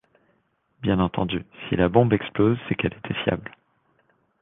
Bien entendu, si la bombe explose c’est qu’elle était fiable.